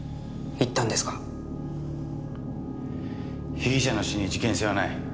被疑者の死に事件性はない。